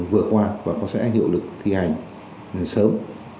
vừa qua và cũng sẽ hiệu lực thi hành sớm